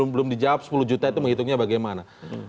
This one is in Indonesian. belum dijawab sepuluh juta itu menghitungnya bagaimana